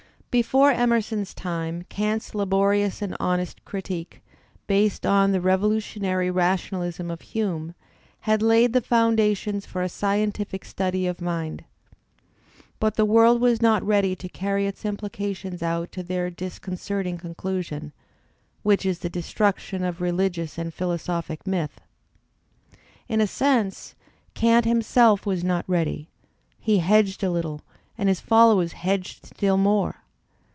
Before Emerson's time Kant's laborious and honest Kritiky ( based on the revolutionary rationalism of Hiune, had laid the foundations for a scientific study of mind. But the world was not ready to carry its impUcations out to their discon \^^, certing conclusion, which is the destruction of religious and '"^'^ 'j philosophic myth. In a sense Kant himself was not ready; he hedged a Uttle, and his followers hedged still more.